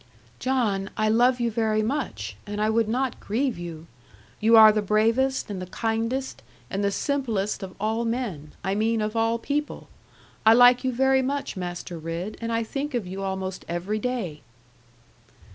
'John I love you very much; and I would not grieve you. You are the bravest, and the kindest, and the simplest of all men I mean of all people I like you very much, Master Ridd, and I think of you almost every day.'